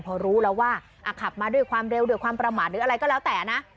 พอรู้แล้วว่าขับมาด้วยความเร็วด้วยความประมาทหรืออะไรก็แล้วแต่นะ